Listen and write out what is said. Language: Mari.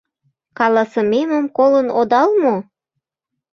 Каласымемым колын одал мо?